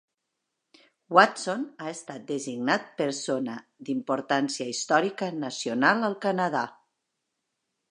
Watson ha estat designat Persona d'Importància Històrica Nacional al Canadà.